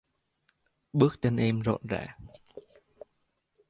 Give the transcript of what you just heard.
Bước chân em rộn rã...